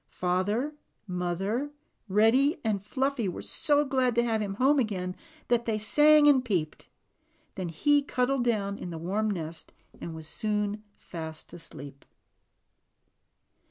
Father, mother, Reddy, and Fluffy were so glad to have him home again that they sang and peeped. He then cuddled down in the warm nest and was soon fast asleep.